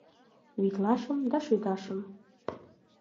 Витлашым да шӱдашым.